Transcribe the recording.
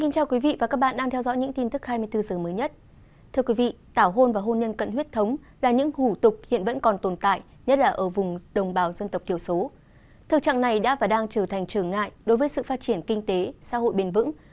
các bạn hãy đăng ký kênh để ủng hộ kênh của chúng mình nhé